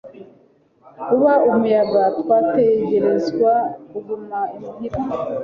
kubera umuyaga, twategerezwa kuguma i muhira